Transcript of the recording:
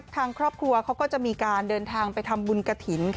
ทางครอบครัวเขาก็จะมีการเดินทางไปทำบุญกระถิ่น